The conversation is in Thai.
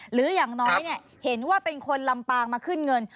อย่างน้อยเห็นว่าเป็นคนลำปางมาขึ้นเงิน